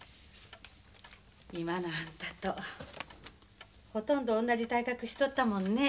今のあんたとほとんど同じ体格しとったもんね。